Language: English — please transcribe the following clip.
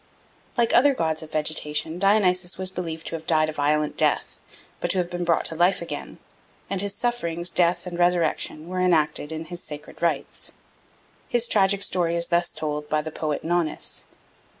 Like other gods of vegetation Dionysus was believed to have died a violent death, but to have been brought to life again; and his sufferings, death, and resurrection were enacted in his sacred rites. His tragic story is thus told by the poet Nonnus.